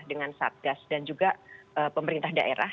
dengan satgas dan juga pemerintah daerah